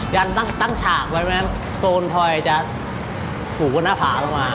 ยันตั้งตั้งตั้งฉากไว้แม่งคุณพลอยจะหูกับหน้าผ่าลงมา